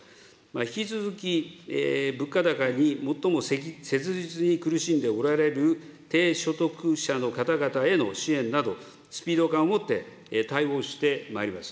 引き続き物価高に最も切実に苦しんでおられる低所得者の方々への支援など、スピード感を持って、対応してまいります。